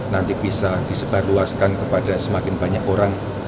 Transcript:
nanti bisa disebarluaskan kepada semakin banyak orang